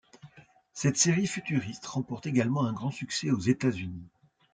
Cette série futuriste remporte également un grand succès aux États-Unis.